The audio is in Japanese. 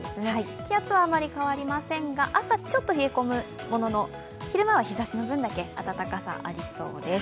気圧はあまり変わりませんが朝ちょっと冷え込むものの、昼間は日差しの分だけ暖かさありそうです。